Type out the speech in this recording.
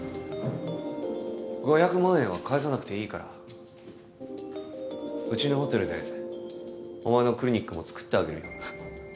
５００万円は返さなくていいからうちのホテルでお前のクリニックもつくってあげるよ